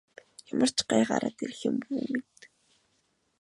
Ямар ч гай гараад ирэх юм бүү мэд.